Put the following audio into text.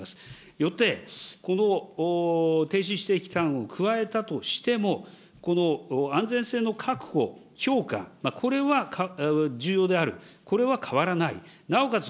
よって、この停止した期間を加えたとしても、安全性の確保、評価、これは重要である、これは変わらない、なおかつ